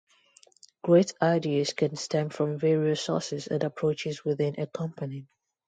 Great ideas can stem from various sources and approaches within a company.